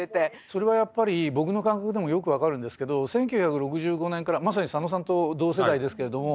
それはやっぱり僕の感覚でもよく分かるんですけど１９６５年からまさに佐野さんと同世代ですけれども。